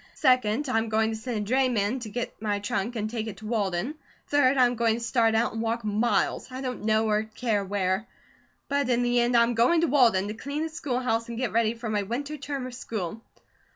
Second, I'm going to send a drayman to get my trunk and take it to Walden. Third, I'm going to start out and walk miles, I don't know or care where; but in the end, I'm going to Walden to clean the schoolhouse and get ready for my winter term of school."